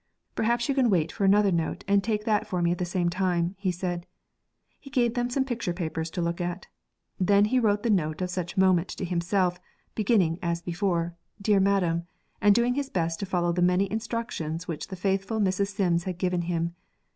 'Perhaps you can wait for another note and take that for me at the same time,' he said. He gave them some picture papers to look at. Then he wrote the note of such moment to himself, beginning, as before, 'Dear Madam,' and doing his best to follow the many instructions which the faithful Mrs. Sims had given him.